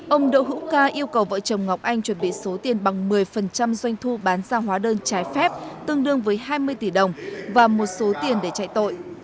ông đỗ hữu ca yêu cầu vợ chồng ngọc anh chuẩn bị số tiền bằng một mươi doanh thu bán ra hóa đơn trái phép tương đương với hai mươi tỷ đồng và một số tiền để chạy tội